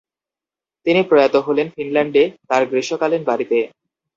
তিনি প্রয়াত হলেন ফিনল্যান্ডে, তার গ্রীষ্মকালীন বাড়িতে।